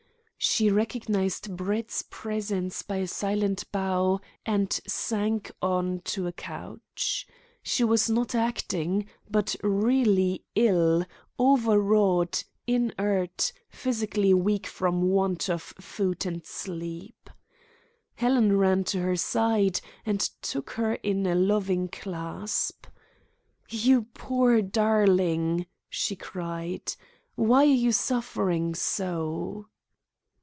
She recognised Brett's presence by a silent bow, and sank on to a couch. She was not acting, but really ill, overwrought, inert, physically weak from want of food and sleep. Helen ran to her side, and took her in a loving clasp. "You poor darling!" she cried. "Why are you suffering so?"